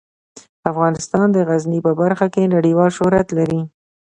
افغانستان د غزني په برخه کې نړیوال شهرت لري.